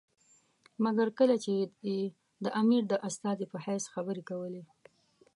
مګر کله چې یې د امیر د استازي په حیث خبرې کولې.